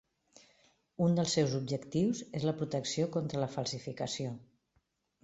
Un dels seus objectius és la protecció contra la falsificació.